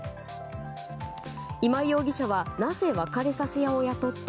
今井容疑者はなぜ別れさせ屋を雇って